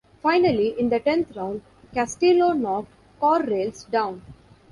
Finally, in the tenth round, Castillo knocked Corrales down.